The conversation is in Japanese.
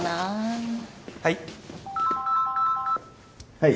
はい。